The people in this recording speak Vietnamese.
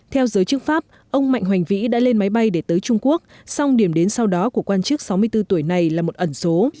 theo giới chức pháp ông mạnh hoành vĩ đã lên máy bay để tới trung quốc song điểm đến sau đó của quan chức sáu mươi bốn tuổi này là một ẩn số